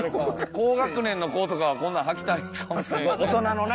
高学年の子とかはこんなの履きたいかもしれんよね。